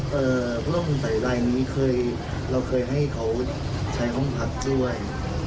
พวกคุณใส่ไลน์นี้เราเคยให้เขาใช้ห้องพักด้วย